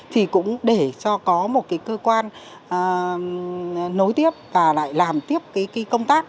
thì cũng để cho có một cái cơ quan nối tiếp và lại làm tiếp cái công tác